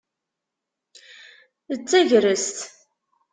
D tagrest.